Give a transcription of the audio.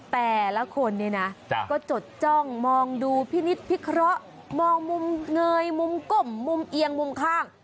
แต่ละคนเนี่ยนะก็จดจ้องมองดูพินิษฐพิเคราะห์มองมุมเงยมุมกลมมุมเอียงมุมข้าง